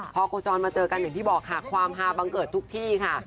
พ่อโครจรมาเจอกันแหละที่บอกคยาบังเกิดทุกที่ค่ะ